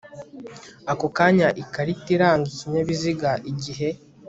ako kanya ikarita iranga ikinyabiziga igihe